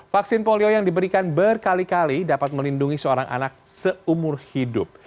vaksin polio yang diberikan berkali kali dapat melindungi seorang anak seumur hidup